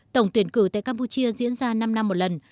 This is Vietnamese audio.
tổng tuyển cử tại campuchia diễn ra năm năm một lần